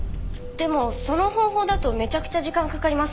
でもその方法だとめちゃくちゃ時間かかりますよね。